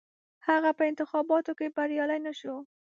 هغه په انتخاباتو کې بریالی نه شو.